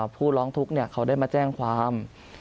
ผู้ร้องทุกข์เขาได้มาแจ้งความ